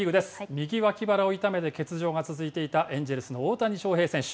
右脇腹を痛めて欠場が続いていたエンジェルスの大谷翔平選手。